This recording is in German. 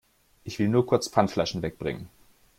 Ich will nur kurz Pfandflaschen wegbringen.